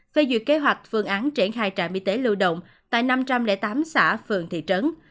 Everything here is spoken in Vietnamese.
phê duyệt kế hoạch phương án triển khai trạm y tế lưu động tại năm trăm linh tám xã phường thị trấn